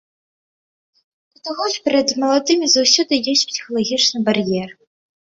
Да таго ж, перад маладымі заўжды ёсць псіхалагічны бар'ер.